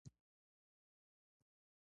د امریکا بازار ته لاسي صنایع ځي